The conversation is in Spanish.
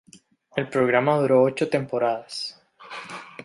El programa duró ocho temporadas.